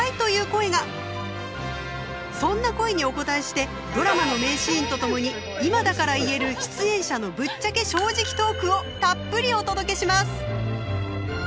そんな声にお応えしてドラマの名シーンと共に今だから言える出演者のぶっちゃけ正直トークをたっぷりお届けします。